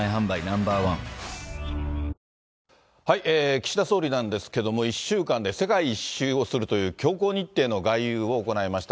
岸田総理なんですけれども、１週間で世界一周をするという強行日程の外遊を行いました。